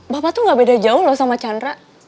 bapak tuh gak beda jauh loh sama chandra